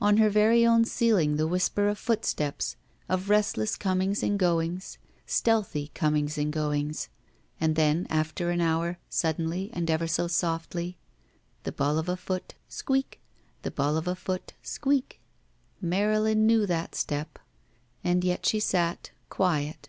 On her very own ceiling the whisper of footsteps — of restless comings and goings — stealthy comings and goings — and then after an hour, suddenly and ever so softly, the ball of a f oot — ^squeak ! The ball of a f oot — squeak ! Marylin knew that step. And yet she sat, quiet.